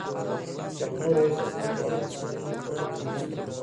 جمهور رئیس د خلکو او ولسي جرګې په وړاندې مسؤل دی.